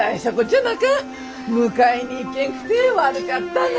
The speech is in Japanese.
迎えに行けんくて悪かったな。